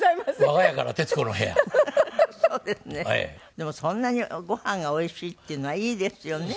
でもそんなにごはんがおいしいっていうのはいいですよね。